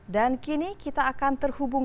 dan kini kita akan terhubung